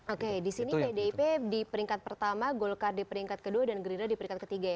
oke di sini pdip di peringkat pertama golkar di peringkat kedua dan gerindra di peringkat ketiga ya